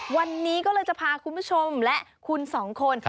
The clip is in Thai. วันนี้ก็เลยจะพาคุณผู้ชมและคุณสองคน